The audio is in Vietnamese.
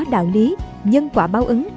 đạo lý nhân quả báo ứng